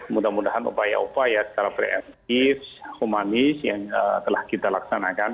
mudah mudahan upaya upaya secara pre eminent humanis yang telah kita lakukan